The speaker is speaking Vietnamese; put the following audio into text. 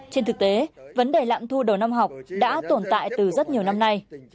trên thực tế vấn đề lạm thu đầu năm học đã tồn tại từ rất nhiều năm nay